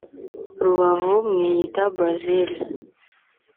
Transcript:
Rubavu mwiyita ’Brazil’